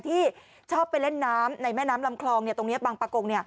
ที่ชอบไปเล่นน้ำในแม่น้ำลำคลองตรงนี้บางประกง